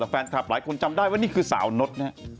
แฟนคลับหลายคนจำได้ว่านี่คือสาวนดนะฮะ